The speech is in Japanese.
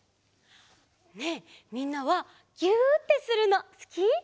ねえみんなはぎゅってするのすき？